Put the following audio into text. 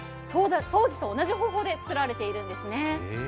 当時と同じ方法でつくられているんですね。